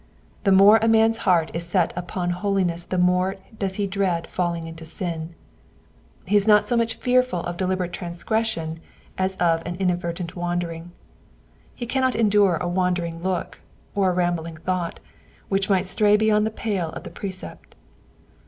The more a man^s whole heart is set upon holiness the more does he dread fallinp^ into sin ; he is not so much fearful of deliberate transgression as of inad vertent wandering : he cannot endure a wandering look, or a rambling thought, which might stray beyond the pale of the precept.